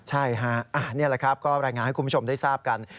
ใช่ฮะนี่แหละครับก็รายงานให้คุณผู้ชมได้ทราบกัน